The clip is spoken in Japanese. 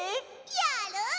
やる！